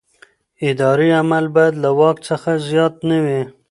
اداري عمل باید له واک څخه زیات نه وي.